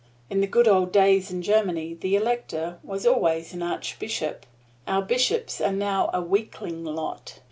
In the good old days in Germany the elector was always an archbishop. Our bishops now are a weakling lot.